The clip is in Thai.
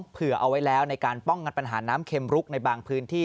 เผื่อเอาไว้แล้วในการป้องกันปัญหาน้ำเข็มรุกในบางพื้นที่